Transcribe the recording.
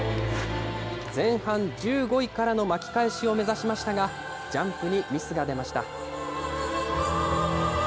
前半１５位からの巻き返しを目指しましたが、ジャンプにミスが出ました。